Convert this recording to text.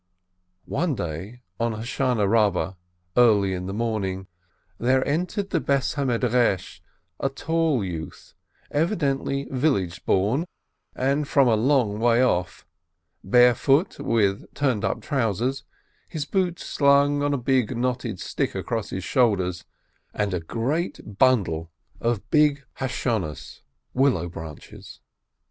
One day, on Hoshanah Kabbah, early in the morning, there entered the house of study a tall youth, evidently village born and from a long way off, barefoot, with turned up trousers, his boots slung on a big, knotted stick across his shoulders, and a great bundle of big Hoshanos.